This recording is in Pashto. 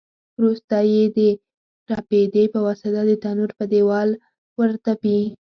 وروسته یې د رپېدې په واسطه د تنور په دېوال ورتپي.